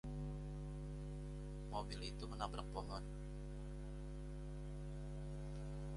Mobil itu menabrak pohon.